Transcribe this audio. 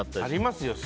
ありますよ。